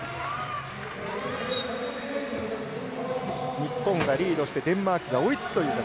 日本がリードしてデンマークが追いつくという形。